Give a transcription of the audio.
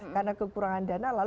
karena kekurangan dana